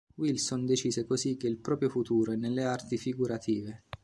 Wilson decide così che il proprio futuro è nelle arti figurative.